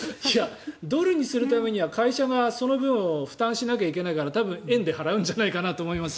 ドルにするためには会社がその分を負担しなきゃいけないから多分、円で払うんじゃないかと思います。